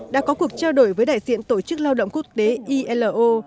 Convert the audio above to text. đã có cuộc trao đổi với đại diện tổ chức lao động quốc tế ilo